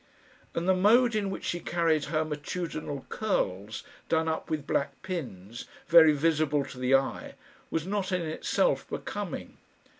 And the mode in which she carried her matutinal curls, done up with black pins, very visible to the eye, was not in itself becoming.